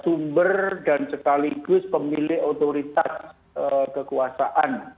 sumber dan sekaligus pemilih otoritas kekuasaan